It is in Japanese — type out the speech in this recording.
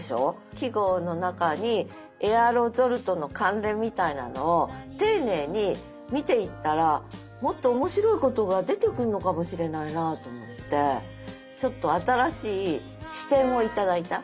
季語の中にエアロゾルとの関連みたいなのを丁寧に見ていったらもっと面白いことが出てくんのかもしれないなと思ってちょっと新しい視点を頂いた。